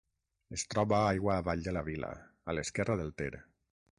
Es troba aigua avall de la vila, a l'esquerra del Ter.